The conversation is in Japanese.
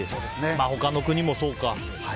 他の国もそうか。